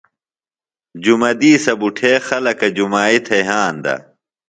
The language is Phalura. جُمہ دِیسہ بُٹھے خلکہ جُمائی تھےۡ یھاندہ ۔